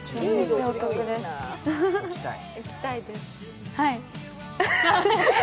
行きたいです、はい。